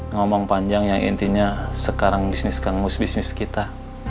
ngomong panjang yang intinya sekarang bisniskan musbisnis kita